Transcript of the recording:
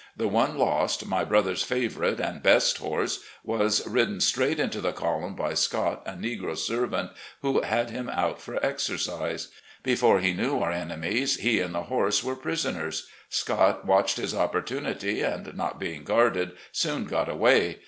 The one lost, my brother's favourite and best horse, was ridden straight into the column by Scott, a negro servant, who had him out for exercise. Before he knew our enemies, he and the horse were prisoners. Scott watched his opportunity, and, not being guarded, soon got away.